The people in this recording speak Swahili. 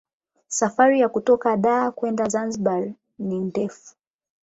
Safari ya kutoka Dar kwenda Zanzibar ni ndefu